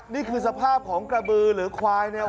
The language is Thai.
นี่คือสภาพของกระบือหรือควายเนี่ย